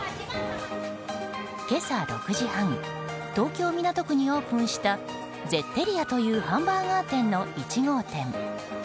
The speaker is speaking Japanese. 今朝６時半、東京・港区にオープンした、ゼッテリアというハンバーガー店の１号店。